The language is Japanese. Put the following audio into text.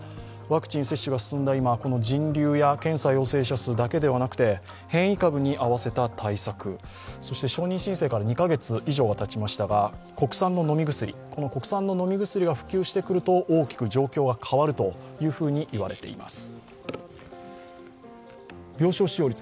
ワクチン接種が進んだ今、人流や検査陽性者数だけではなくて変異株に合わせた対策、そして承認申請から２カ月以上がたちましたが、国産の飲み薬が普及してくると大きく状況は変わると言われています。